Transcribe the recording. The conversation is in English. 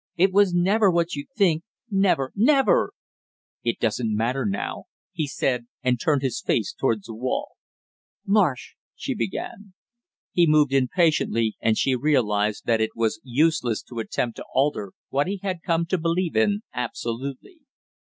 It was never what you think never never!" "It doesn't matter now," he said, and turned his face toward the wall. "Marsh " she began. He moved impatiently, and she realized that it was useless to attempt to alter what he had come to believe in absolutely.